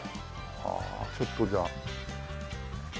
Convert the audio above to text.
ちょっとじゃあ。